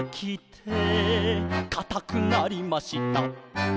「かたくなりました」